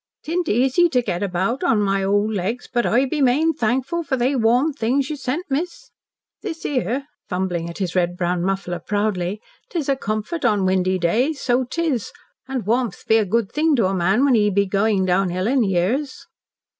'T'int easy to get about on my old legs, but I be main thankful for they warm things you sent, miss. This 'ere," fumbling at his red brown muffler proudly, "'tis a comfort on windy days, so 'tis, and warmth be a good thing to a man when he be goin' down hill in years."